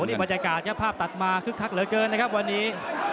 นี่บรรยากาศครับภาพตัดมาคึกคักเหลือเกินนะครับวันนี้